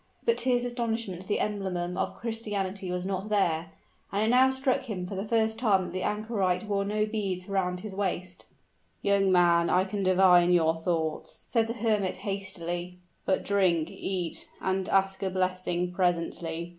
But to his astonishment the emblem of Christianity was not there; and it now struck him for the first time that the anchorite wore no beads around his waist. "Young man, I can divine your thoughts," said the hermit, hastily; "but drink, eat, and ask a blessing presently.